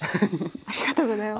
ありがとうございます。